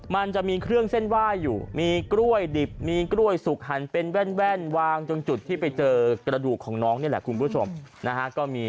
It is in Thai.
มันจะมีเครื่องเส้นไหว้อยู่มีกล้วยดิบมีกล้วยสุกหันเป็นแว่นวางจนจุดที่ไปเจอกระดูกของน้องนี่แหละคุณผู้ชมนะฮะ